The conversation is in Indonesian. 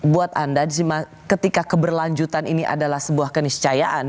buat anda ketika keberlanjutan ini adalah sebuah keniscayaan